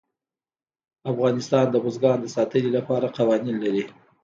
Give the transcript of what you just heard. افغانستان د بزګان د ساتنې لپاره قوانین لري.